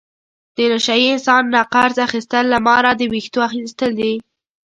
د نشه یي انسان نه قرض اخستل له ماره د وېښتو ایستل دي.